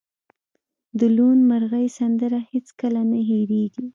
د لوون مرغۍ سندره هیڅکله نه هیریږي